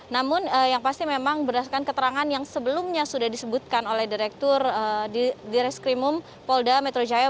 namun yang pasti memang berdasarkan keterangan yang sebelumnya sudah disebutkan oleh direktur di reskrimum polda metro jaya